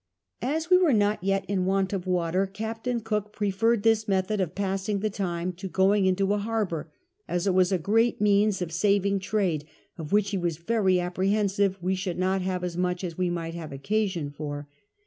As we w^ero not yet in want of water Captain Cook preferred this method of passing the time to going into a harbour ; dls it was a gre^it means of siiving trade, of which he was very apiireliensive we should not have as much as \ve might have occasion for.